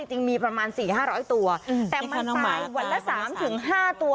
จริงมีประมาณสี่ห้าร้อยตัวแต่มันตายวันละสามถึงห้าตัว